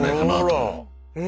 え？